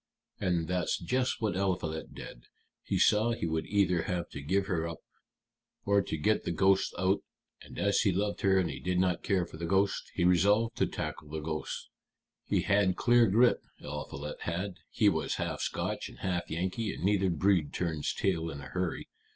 And that's just what Eliphalet did. He saw he would either have to give her up or to get the ghosts out; and as he loved her and did not care for the ghosts, he resolved to tackle the ghosts. He had clear grit, Eliphalet had he was half Scotch and half Yankee and neither breed turns tail in a hurry.